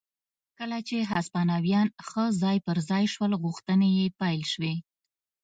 کله چې هسپانویان ښه ځای پر ځای شول غوښتنې یې پیل شوې.